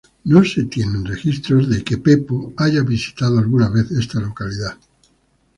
No se tienen registros de si Pepo haya visitado alguna vez esta localidad.